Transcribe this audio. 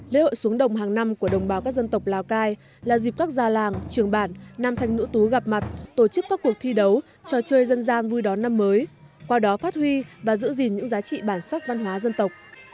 lễ hội xuống đồng hàng năm của đồng bào các dân tộc lào cai là dịp các già làng trường bản nam thanh nữ tú gặp mặt tổ chức các cuộc thi đấu trò chơi dân gian vui đón năm mới qua đó phát huy và giữ gìn những giá trị bản sắc văn hóa dân tộc